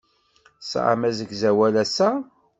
Tesɛam asegzawal ass-a?